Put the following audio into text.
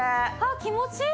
気持ちいい！